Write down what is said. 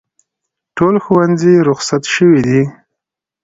ټول ښوونځي روخصت شوي دي